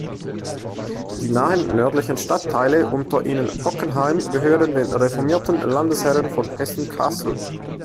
Die nahen nördlichen Stadtteile, unter ihnen Bockenheim, gehörten den reformierten Landesherren von Hessen-Kassel.